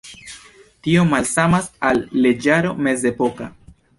Tio malsamas al leĝaro mezepoka.